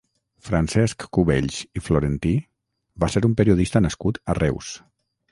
Francesc Cubells i Florentí va ser un periodista nascut a Reus.